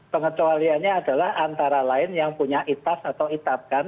pengecualiannya adalah antara lain yang punya itas atau itap kan